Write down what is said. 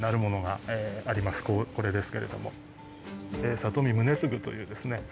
里見宗次というですね